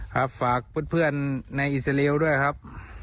ครับฝากเพื่อนเพื่อนในอิสราเอลด้วยครับ